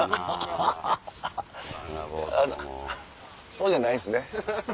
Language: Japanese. そうじゃないですね。